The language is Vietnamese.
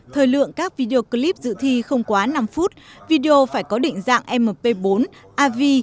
thời lượng các video clip dự thi không quá năm phút video phải có định dạng mp bốn av